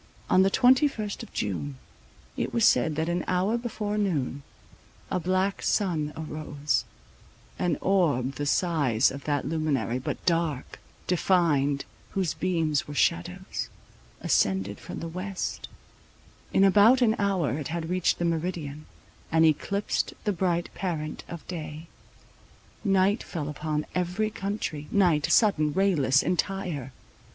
On the twenty first of June, it was said that an hour before noon, a black sun arose: an orb, the size of that luminary, but dark, defined, whose beams were shadows, ascended from the west; in about an hour it had reached the meridian, and eclipsed the bright parent of day. Night fell upon every country, night, sudden, rayless, entire.